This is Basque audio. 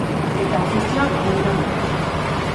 Eta ofizioak egin nau ni.